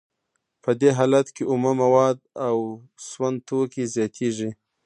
په دې حالت کې اومه مواد او سون توکي زیاتېږي